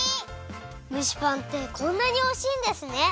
蒸しパンってこんなにおいしいんですね！